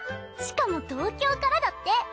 しかも東京からだって。